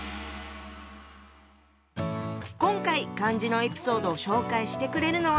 今回漢字のエピソードを紹介してくれるのは。